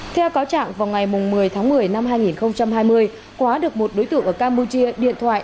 theo cáo trạng vào ngày một mươi tháng một mươi năm hai nghìn hai mươi quá được một đối tượng ở campuchia điện thoại